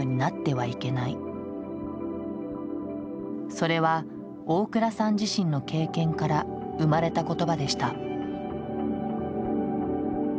それは大倉さん自身の経験から生まれた言葉でした。